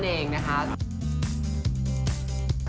นนท์ก่งนานะครับนัภเ